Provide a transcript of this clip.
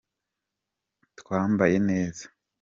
twambaye neza.